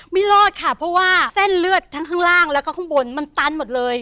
ไม่รอดค่ะเพราะว่าเส้นเลือดทั้งข้างล่างแล้วก็ข้างบนมันตันหมดเลย